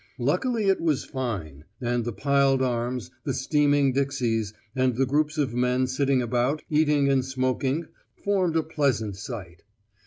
Luckily it was fine, and the piled arms, the steaming dixies, and the groups of men sitting about eating and smoking formed a pleasant sight.